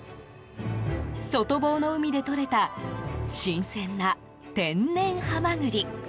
外房の海でとれた新鮮な天然ハマグリ。